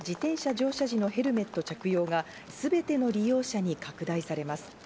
乗車時のヘルメット着用が、すべての利用者に拡大されます。